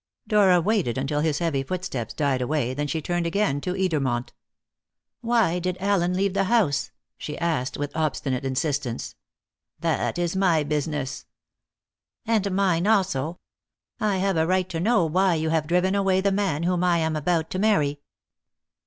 Dora waited until his heavy footsteps died away, then she turned again to Edermont. "Why did Allen leave the house?" she asked with obstinate insistence. "That is my business." "And mine also. I have a right to know why you have driven away the man whom I am about to marry."